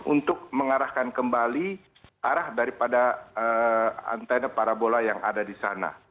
untuk mengarahkan kembali arah daripada antene parabola yang ada di sana